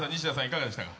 いかがでしたか。